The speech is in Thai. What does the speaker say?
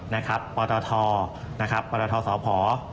นะครับปตทปตทสพ